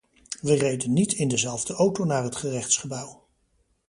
We reden niet in dezelfde auto naar het gerechtsgebouw.